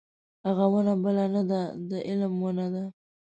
هغه ونه بله نه ده د علم ونه ده.